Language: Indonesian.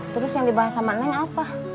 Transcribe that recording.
terus yang dibahas sama neng apa